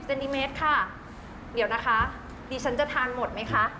นิเมตรค่ะเดี๋ยวนะคะดิฉันจะทานหมดไหมคะ